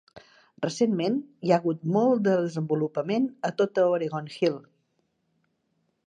Recentment, hi ha hagut molt de desenvolupament a tota Oregon Hill.